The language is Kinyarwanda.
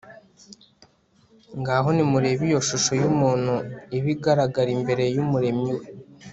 ngaho nimurebe iyo shusho y'umuntu iba igaragara imbere y'umuremyi we